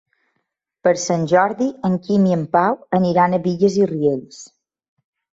Per Sant Jordi en Quim i en Pau aniran a Bigues i Riells.